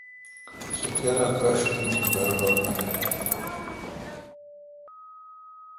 سو کرا پیݭ تہ می بڑبڑ نہ منیل۔